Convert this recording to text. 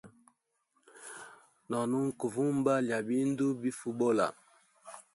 No nunka vumba lya bindu bifa ubola.